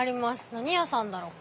何屋さんだろう？